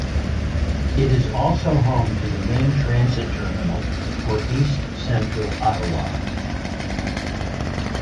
It is also home to the main transit terminal for east-central Ottawa.